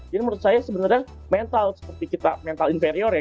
jadi menurut saya sebenarnya mental seperti kita mental inferior ya